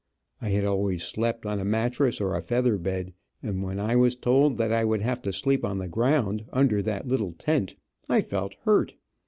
I had always slept on a mattress, or a feather bed, and when I was told that I would have to sleep on the ground, under that little tent, I felt hurt.